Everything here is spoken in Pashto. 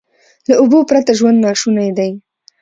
له اوبو پرته ژوند ناشونی دی.